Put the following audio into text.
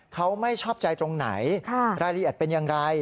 เขาไม่ชอบใจตรงไหนรายละเอียดเป็นอย่างไร